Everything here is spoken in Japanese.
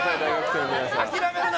諦めるな！